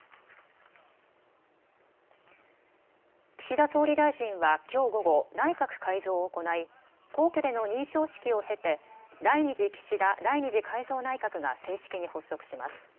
岸田総理大臣はきょう午後、内閣改造を行い皇居での認証式を経て第２次岸田第２次改造内閣が正式に発足します。